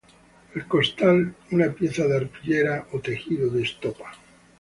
El costal una pieza de arpillera o tejido de estopa.